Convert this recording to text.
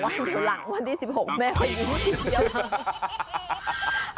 แม่บอกว่าหลังวันที่สิบหกแม่ไปยิ้มทีเยอะ